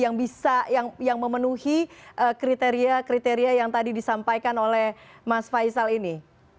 yang bisa yang memenuhi kriteria kriteria yang tadi disampaikan oleh mas faisal ini